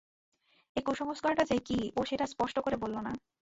এই কুসংস্কারটা যে কী ও সেটা স্পষ্ট করে বলল না।